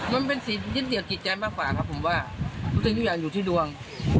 มันเป็นสิ่งยึดเหนียวจิตใจมากกว่าครับผมว่าทุกสิ่งทุกอย่างอยู่ที่ดวง